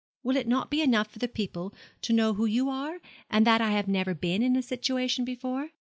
'Will it not be enough for the people to know who you are, and that I have never been in a situation before?